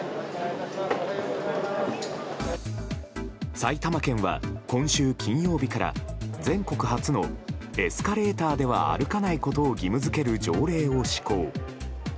埼玉県は今週金曜日から全国初のエスカレーターでは歩かないことを義務付ける条例を施行。